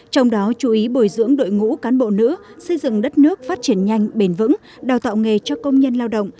trong đó chú ý bồi dưỡng đội ngũ cán bộ nữ xây dựng đất nước phát triển nhanh bền vững đào tạo nghề cho công nhân lao động